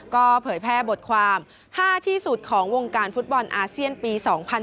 ก็เผยแพร่บทความ๕ที่สุดของวงการฟุตบอลอาเซียนปี๒๐๑๖